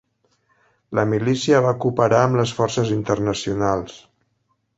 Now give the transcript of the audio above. La milícia va cooperar amb les forces internacionals.